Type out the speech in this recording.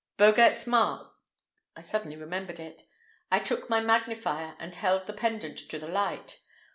Bogaerts's mark—I suddenly remembered it. I took my magnifier and held the pendant to the light.